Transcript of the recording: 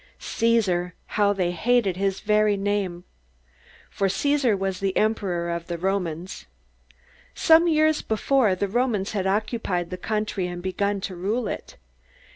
Caesar! How they hated his very name! For Caesar was the emperor of the Romans. Some years before, the Romans had occupied the country and begun to rule it.